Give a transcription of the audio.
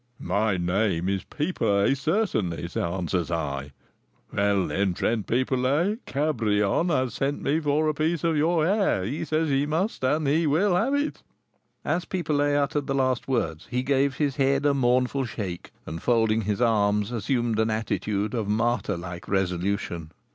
'My name is Pipelet, certainly,' answers I. 'Well, then, friend Pipelet, Cabrion has sent me for a piece of your hair; he says he must and he will have it.'" As Pipelet uttered the last words he gave his head a mournful shake, and, folding his arms, assumed an attitude of martyrlike resolution.